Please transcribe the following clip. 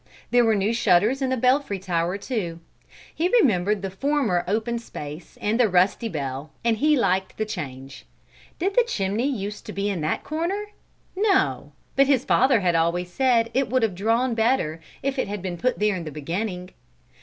There were new shutters in the belfry tower, too; he remembered the former open space and the rusty bell, and he liked the change. Did the chimney use to be in that corner? No; but his father had always said it would have drawn better if it had been put there in the beginning.